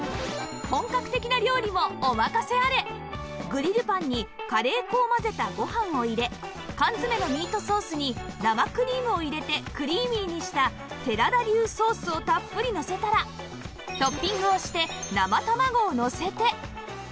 グリルパンにカレー粉を混ぜたご飯を入れ缶詰のミートソースに生クリームを入れてクリーミーにした寺田流ソースをたっぷりのせたらトッピングをして生卵をのせて